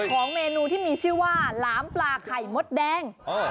ของเมนูที่มีชื่อว่าหลามปลาไข่มดแดง